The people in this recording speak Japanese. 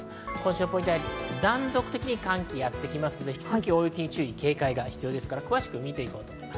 今週のポイント、断続的に寒気がやってきますが、引き続き大雪に注意が必要です。